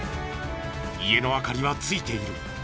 家の明かりはついている。